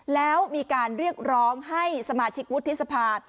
แล้วมีการเรียกร้องให้สมาชิกวุฒิสภา